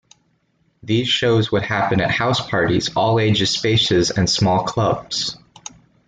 These shows would happen at house parties, all-ages spaces and small clubs.